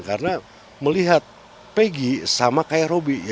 karena melihat peggy sama kayak robby